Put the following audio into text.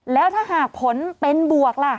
แล้วถ้าหากผลเป็นบวกล่ะ